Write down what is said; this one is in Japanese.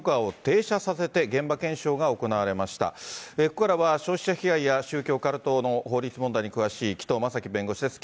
ここからは消費者被害や宗教、カルトの法律問題に詳しい、紀藤正樹弁護士です。